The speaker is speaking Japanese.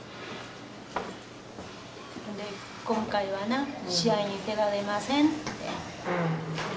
ほんで今回はな試合に出られませんって。